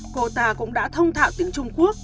cô ta cũng đã thông thạo tiếng trung quốc